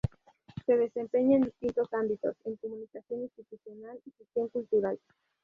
Se desempeña en distintos ámbitos en Comunicación Institucional y Gestión Cultural.